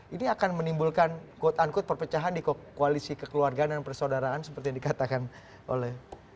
ini akan menimbulkan quote unquote perpecahan di koalisi kekeluargaan dan persaudaraan seperti yang dikatakan oleh